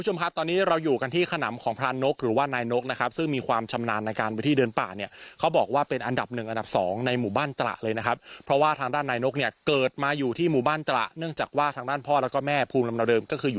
มีไก่เลี้ยงไว้ด้วย